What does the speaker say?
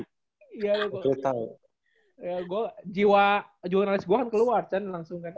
gue jiwa jiwa analis gue kan keluar chen langsung kan